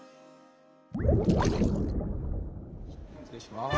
失礼します。